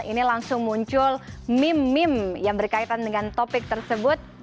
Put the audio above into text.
ini langsung muncul meme meme yang berkaitan dengan topik tersebut